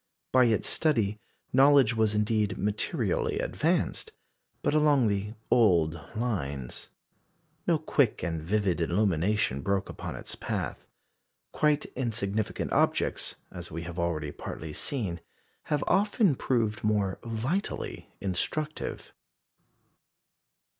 By its study knowledge was indeed materially advanced, but along the old lines. No quick and vivid illumination broke upon its path. Quite insignificant objects as we have already partly seen have often proved more vitally instructive.